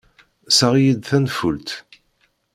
Seɣ-iyi-d tanfult.